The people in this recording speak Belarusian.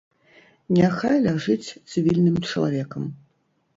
Няхай ляжыць цывільным чалавекам.